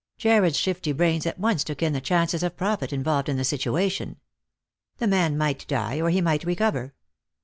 Jarred's shifty brains at once took in the chances of profit involved in the situation. The man might die or he might recover.